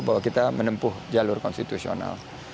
bahwa kita menempuh jalur konstitusional